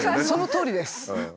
そのとおりです。